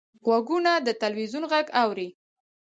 غوږونه د تلویزیون غږ اوري